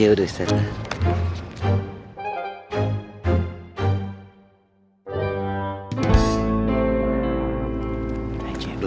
ya udah ustadz lah